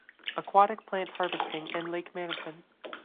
Aquatic Plant Harvesting and Lake Management.